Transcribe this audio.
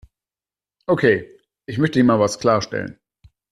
Okay, ich möchte hier mal was klarstellen.